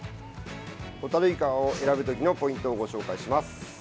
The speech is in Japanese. ホタルイカを選ぶ時のポイントをご紹介します。